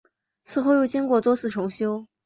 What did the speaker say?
以后又经过多次重修。